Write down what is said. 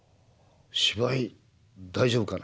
芝居大丈夫かな？